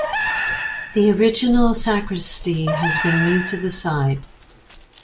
The original sacristy has been moved to the side.